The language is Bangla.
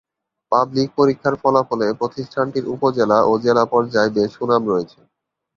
পাবলিক পরীক্ষার ফলাফলে প্রতিষ্ঠানটির উপজেলা ও জেলা পর্যায় বেশ সুনাম রয়েছে।